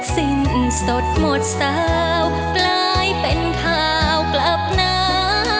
สิ้นสดหมดสาวกลายเป็นข่าวกลับหนา